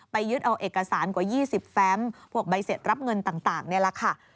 ยึดเอาเอกสารกว่า๒๐แฟมพวกใบเสร็จรับเงินต่างนี่แหละค่ะ